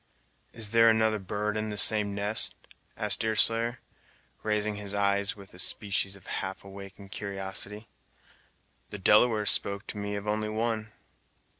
"Is there another bird in the same nest!" asked Deerslayer, raising his eyes with a species of half awakened curiosity, "the Delawares spoke to me only of one."